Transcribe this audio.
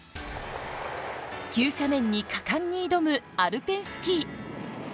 急斜面に果敢に挑むアルペンスキー。